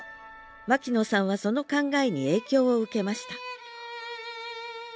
牧野さんはその考えに影響を受けました